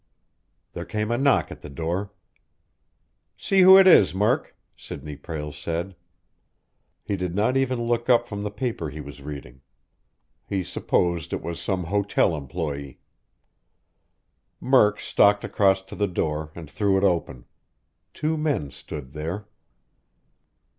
There came a knock at the door. "See who it is, Murk," Sidney Prale said. He did not even look up from the paper he was reading. He supposed it was some hotel employee. Murk stalked across to the door and threw it open. Two men stood there.